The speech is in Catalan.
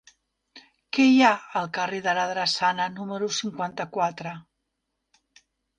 Què hi ha al carrer de la Drassana número cinquanta-quatre?